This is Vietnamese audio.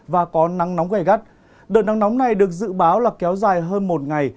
và có năng nóng gây gắt đợt năng nóng này được dự báo là kéo dài hơn một ngày